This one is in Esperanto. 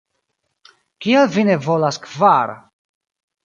Kial vi ne volas kvar?"